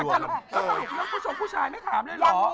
น้องผู้ชมผู้ชายไม่ถามเลยหรอ